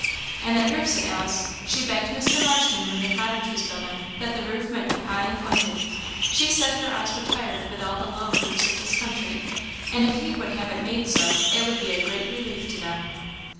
"And that roof," said Alice, "she begged Mr. Marshman when the cottage was building, that the roof might be high and pointed; she said her eyes were tired with the low roofs of this country, and if he would have it made so it would be a great relief to them."